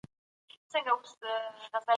آیا مسموم شوي کسان باید په روغتون کې پاتې شي؟